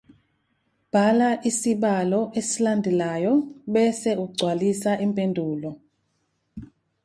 Bhala isibalo esilandelayo bese ugcwalisa impendulo.